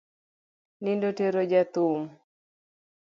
Nindo otero jathum